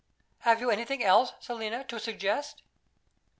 Have you anything else, Selina, to suggest?"